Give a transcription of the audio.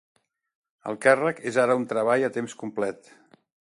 El càrrec és ara un treball a temps complet.